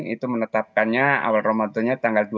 itu menetapkannya awal ramadan nya tanggal dua belas maret